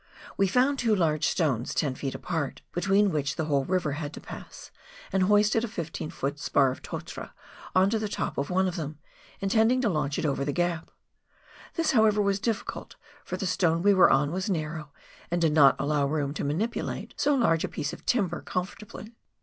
We found two large stones, 10 ft. apart, between which the whole river had to pass, and hoisted a 15 foot spar of totara on to the top of one of them, intending to launch it over the gap. This, however, was difficult, for the stone we were on was narrow, and did not allow room to manipulate so large a piece of timber comfortably.